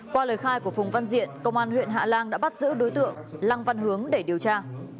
qua lời khai của phùng văn diện công an huyện hạ lan đã bắt giữ đối tượng lăng văn hướng để điều tra